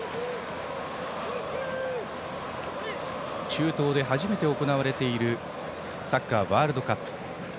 中東で初めて行われているサッカーワールドカップ。